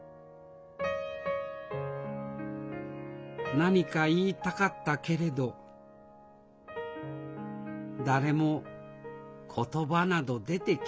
何か言いたかったけれど誰も言葉など出てきませんでした